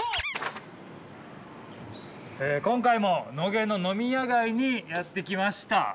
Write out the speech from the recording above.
今回も野毛の飲み屋街にやって来ました。